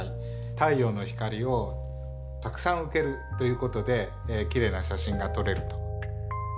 太陽の光をたくさん受けるということできれいな写真が撮れると。